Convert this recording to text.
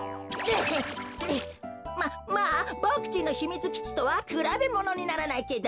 ままあぼくちんのひみつきちとはくらべものにならないけど。